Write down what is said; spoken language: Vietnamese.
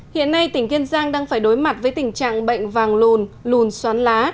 hiện nay tỉnh kiên giang đang phải đối mặt với tình trạng bệnh vàng lùn lùn xoắn lá